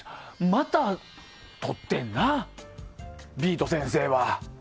また撮ってんな、ビート先生は。